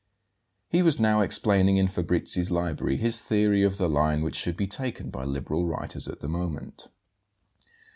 He was now explaining in Fabrizi's library his theory of the line which should be taken by liberal writers at the moment.